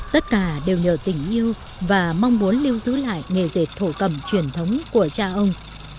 tất cả đều nhờ tình yêu và mong muốn lưu giữ lại nghề dệt thổ cầm truyền thống của cha ông